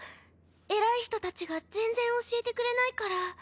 偉い人たちが全然教えてくれないから。